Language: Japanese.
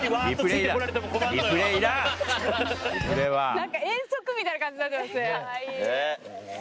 何か遠足みたいな感じになってますね。